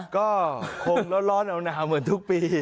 ก็คงร้อนหนาวเหมือนทุกปี